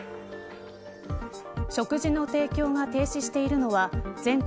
食事の提供が停止しているのは全国